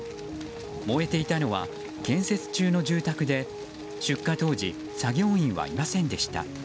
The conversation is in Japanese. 燃えていたのは建設中の住宅で出火当時作業員はいませんでした。